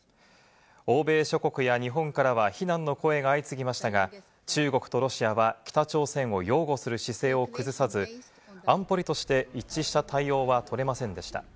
欧米諸国や日本からは非難の声が相次ぎましたが、中国とロシアは北朝鮮を擁護する姿勢を崩さず、安保理として一致した対応は取れませんでした。